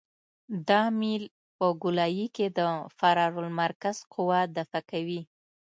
دا میل په ګولایي کې د فرار المرکز قوه دفع کوي